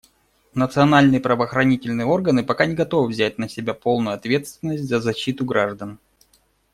Национальные правоохранительные органы пока не готовы взять на себя полную ответственность за защиту граждан.